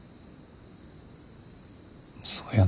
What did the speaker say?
そうやな。